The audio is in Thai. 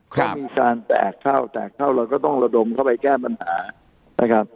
เขามีการแตกเข้าแตกเข้าเราก็ต้องระดมเข้าไปแก้ปัญหานะครับ